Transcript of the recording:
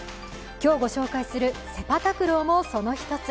今日、ご紹介するセパタクローもその一つ。